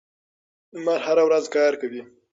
لمر هره ورځ کار کوي.